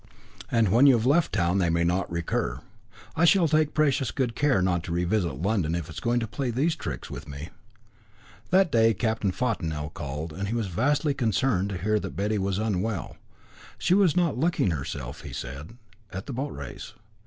"And when you have left town they may not recur." "I shall take precious good care not to revisit London if it is going to play these tricks with me." That day Captain Fontanel called, and was vastly concerned to hear that Betty was unwell. She was not looking herself, he said, at the boat race.